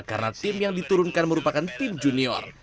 karena tim yang diturunkan merupakan tim junior